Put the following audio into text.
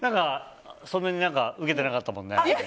そんなにウケてなかったもんね。